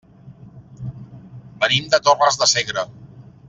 Venim de Torres de Segre.